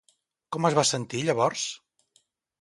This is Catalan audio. Com es va sentir llavors?